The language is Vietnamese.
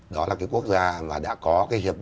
đó là cái quốc gia mà đại dịch việt nam có thể tham gia